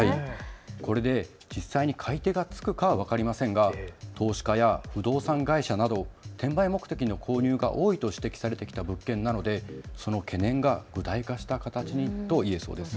これで実際に買い手がつくかは分かりませんが投資家や不動産会社など転売目的の購入が多いと指摘されてきた物件なのでその懸念が具体化した形になったと言えそうです。